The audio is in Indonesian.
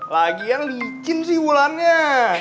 lagian licin sih wulannya